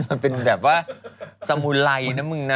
มันเป็นแบบว่าสมุนไรนะมึงนะ